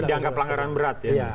dianggap pelanggaran berat ya